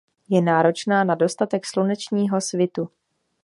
Je náročná na dostatek slunečního svitu.